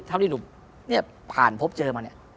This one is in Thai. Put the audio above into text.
เท่าที่หนูเนี่ยผ่านพบเจอมาเนี่ย